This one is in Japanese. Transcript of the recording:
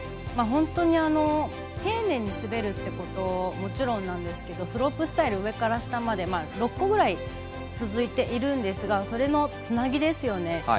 本当に、丁寧に滑るということはもちろんですがスロープスタイルは上から下まで６個ぐらい続いているんですがそれのつなぎですよね。